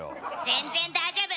全然大丈夫！